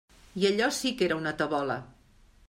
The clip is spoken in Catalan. I allò sí que era una tabola.